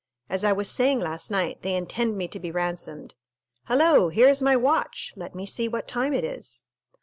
As I was saying last night, they intend me to be ransomed. Hello, here is my watch! Let me see what time it is."